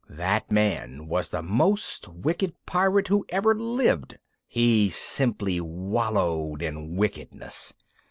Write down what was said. That man was the most wicked pirate who ever lived! He simply wallowed in wickedness!